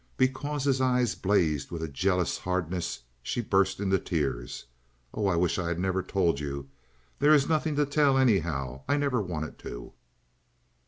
Because his eyes blazed with a jealous hardness she burst into tears. "Oh, I wish I had never told you! There is nothing to tell, anyhow. I never wanted to."